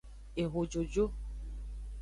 Ehojojo.